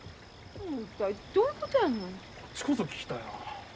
こっちこそ聞きたいな。